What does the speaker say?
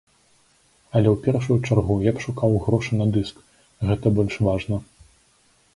Але ў першую чаргу, я б шукаў грошы на дыск, гэта больш важна.